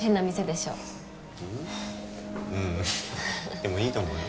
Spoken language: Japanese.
でもいいと思うよ。